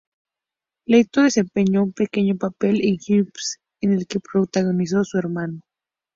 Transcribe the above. Leto desempeñó un pequeño papel en Highway en el que protagonizó su hermano.